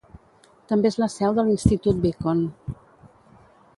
També és la seu de l'Institut Beacon.